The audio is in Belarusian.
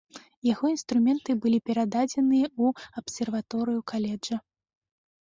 Яго інструменты былі перададзеныя ў абсерваторыю каледжа.